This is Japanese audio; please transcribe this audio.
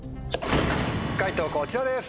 解答こちらです！